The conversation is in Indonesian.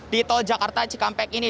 di tol jakarta cikampek ini